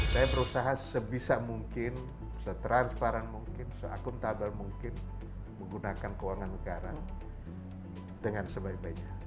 saya berusaha sebisa mungkin setransparan mungkin seakuntabel mungkin menggunakan keuangan negara dengan sebaik baiknya